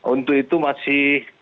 untuk itu masih